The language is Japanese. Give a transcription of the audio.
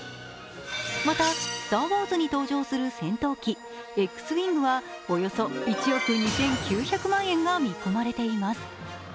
また、「スター・ウォーズ」に登場する戦闘機、Ｘウイングはおよそ１億２９００万円が見込まれています。